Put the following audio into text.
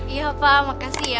iya pak makasih ya